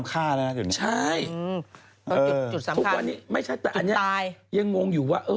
ตอนนี้ไม่ชัดแต่เอาอย่างงอยู่